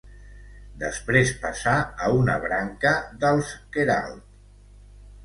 Després passà a una branca dels Queralt.